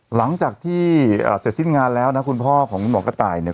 หลังจากที่เสร็จสิ้นงานแล้วนะคุณพ่อของคุณหมอกระต่ายเนี่ย